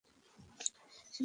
সে নবুওয়্যাতের দাবি করছে।